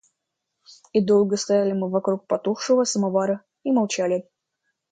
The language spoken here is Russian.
И долго стояли мы вокруг потухшего самовара и молчали.